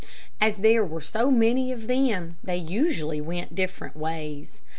As there were so many of them they usually went different ways.